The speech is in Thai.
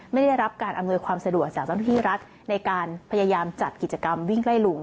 ไม่ได้รับการอำนวยความสะดวกจากเจ้าหน้าที่รัฐในการพยายามจัดกิจกรรมวิ่งไล่ลุง